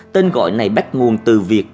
tên gọi này bách nguồn từ việc